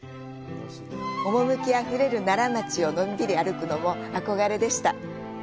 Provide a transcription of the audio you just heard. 趣あふれる「ならまち」をのんびり歩くのも憧れでした。